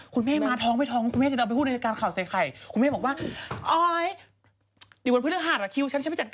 เขาจะไม่พูดกันหรือจริงนาง